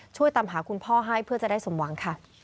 ช่วยตามหาคุณพ่อให้เพื่อจะได้สมหวังค่ะ